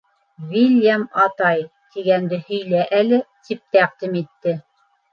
— «Вильям атай» тигәнде һөйлә әле, — тип тәҡдим итте